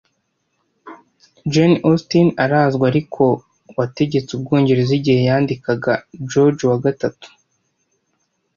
Jayne Austin arazwi ariko wategetse Ubwongereza igihe yandikaga George III